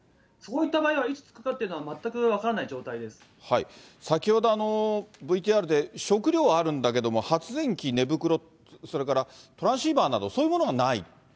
そういった場合はいつ着くかっていうのは、全く分からない状態で先ほど、ＶＴＲで、食料はあるんだけれども、発電機、寝袋、それからトランシーバーなど、そういうものはない。